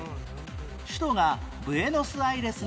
首都がブエノスアイレスのこの国は？